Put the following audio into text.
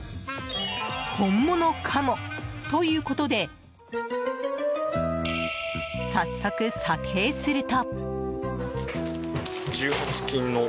本物かもということで早速、査定すると。